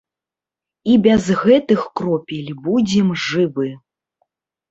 І без гэтых кропель будзем жывы.